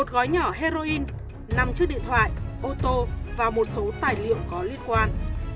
một gói nhỏ heroin năm chiếc điện thoại ô tô và một số tài liệu có liên quan